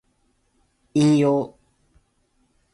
引用